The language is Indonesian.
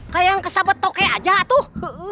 kayak yang kesabet toke aja tuh